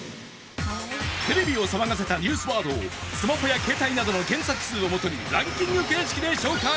テレビを騒がせたニュースワードをスマホや携帯などの検索数をもとにランキング形式で紹介。